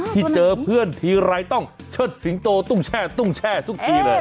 ที่เจอเพื่อนทีไรต้องเชิดสิงโตตุ้งแช่ตุ้งแช่ทุกทีเลย